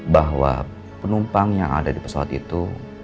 bahwa penumpang yang ada di pesawat itu